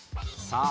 さあ